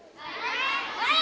はい！